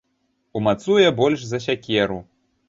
Умацуе больш за сякеру.